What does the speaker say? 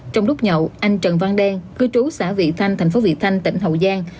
trong lúc nhậu anh trần văn đen cư trú xã vị thanh thành phố vị thanh tỉnh hậu giang